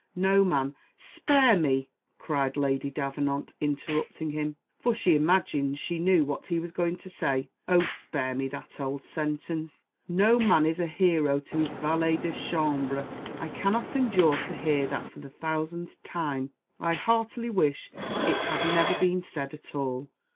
No man " "Spare me!" cried Lady Davenant, interrupting him, for she imagined she knew what he was going to say; "Oh! spare me that old sentence, 'No man is a hero to his valet de chambre.' I cannot endure to hear that for the thousandth time; I heartily wish it had never been said at all."